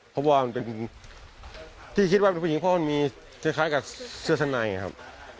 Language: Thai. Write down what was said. เพราะว่ามันเป็นที่คิดว่าเป็นผู้หญิงเพราะมันมีคล้ายกับเสื้อชั้นในครับ